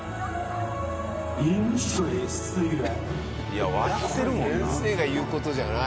いや笑ってるもんな。